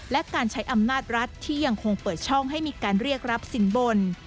และการใช้อำนาจรัฐที่ยังคงเปิดช่องให้มีการเรียกรับสินบน